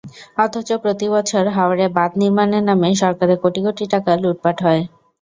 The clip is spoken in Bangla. অথচ প্রতিবছর হাওরে বাঁধ নির্মাণের নামে সরকারের কোটি কোটি টাকা লুটপাট হয়।